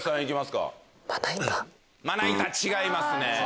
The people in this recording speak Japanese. まな板違いますね。